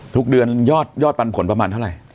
ทุกเดือนยอดปันผลประมาณเท่าไหร่